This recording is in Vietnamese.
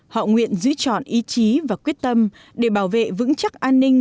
họ nguyện giữ chọn ý chí và quyết tâm để bảo vệ vững chắc an ninh